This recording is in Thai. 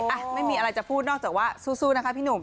อ่ะไม่มีอะไรจะพูดนอกจากว่าสู้นะคะพี่หนุ่ม